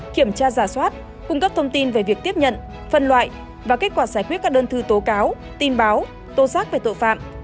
kiểm tra giả soát cung cấp thông tin về việc tiếp nhận phân loại và kết quả giải quyết các đơn thư tố cáo tin báo tố xác về tội phạm